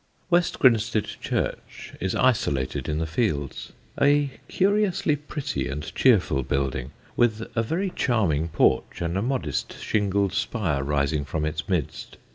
West Grinstead church is isolated in the fields, a curiously pretty and cheerful building, with a very charming porch and a modest shingled spire rising from its midst.